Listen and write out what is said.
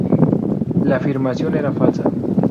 La afirmación era falsa.